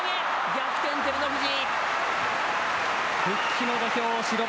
逆転、照ノ富士。